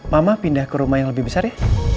mama pindah ke rumah yang lebih besar ya